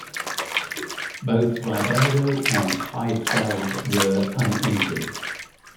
Both Ribeiro and Heidfeld were uninjured.